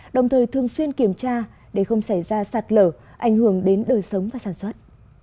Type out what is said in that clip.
đồng thời thường xuyên kiểm tra để không xảy ra sạt lở ảnh hưởng đến đời sống và sản xuất